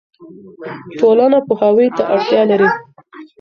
ټولنه پوهاوي ته اړتیا لري.